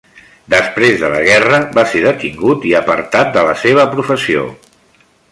Després de la guerra va ser detingut i apartat de la seva professió.